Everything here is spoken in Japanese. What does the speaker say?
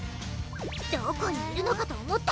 どこにいるのかと思ったら！